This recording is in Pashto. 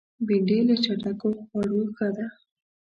بېنډۍ له چټکو خوړو ښه ده